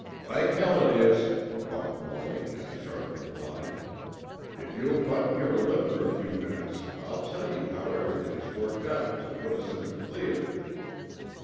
"Like hell it is," barked Wallie in a sharp reply. "If you'll button your lip for a few minutes I'll tell you how everything has worked out to put us in the clear."